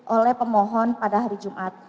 oleh pemohon pada hari jumat